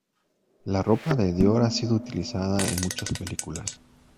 La ropa de Dior ha sido utilizada en muchas películas.